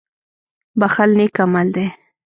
• بښل نېک عمل دی.